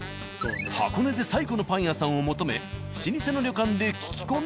箱根で最古のパン屋さんを求め老舗の旅館で聞き込み。